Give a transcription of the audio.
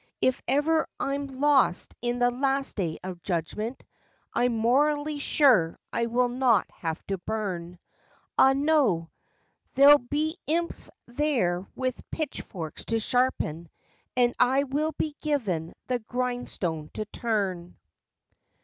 If ever I'm lost in the last day of judg¬ ment, I'm morally sure I will not have to burn; Ah, no; there'll be imps there with pitch forks to sharpen, and I will be given the grindstone to turn.